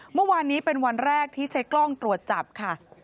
เมื่อวานนี้เป็นวันแรกที่ใช้กล้องตรวจจับค่ะ